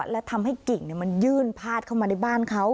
และทำให้กิ่งมันยื่นพาดเข้ามาในบ้านเขา